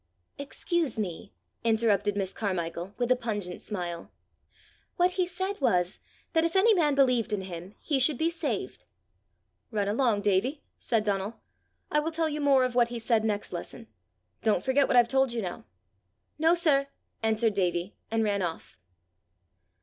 "Excuse me," interrupted Miss Carmichael, with a pungent smile: "what he said was, that if any man believed in him, he should be saved." "Run along, Davie," said Donal. "I will tell you more of what he said next lesson. Don't forget what I've told you now." "No, sir," answered Davie, and ran off.